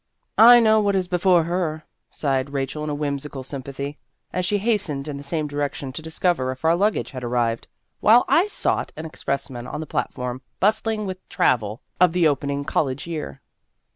" I know what is before her," sighed Rachel in whimsical sympathy, as she hastened in the same direction to discover if our luggage had arrived, while I sought an expressman on the platform bustling with travel of the opening college year.